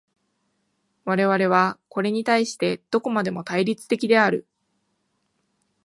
我々はこれに対してどこまでも対立的である。